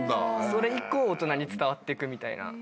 それ以降大人に伝わっていく。